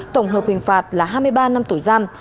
tổng hợp hình phạt là hai mươi ba năm tù giam